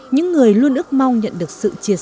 những người luôn ước mong nhận được sự chia sẻ